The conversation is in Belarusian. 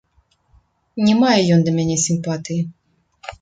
Не мае ён да мяне сімпатыі.